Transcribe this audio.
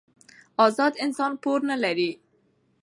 ازاد انسان پور نه لري.